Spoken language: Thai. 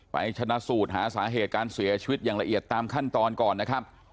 ชนะสูตรหาสาเหตุการเสียชีวิตอย่างละเอียดตามขั้นตอนก่อนนะครับ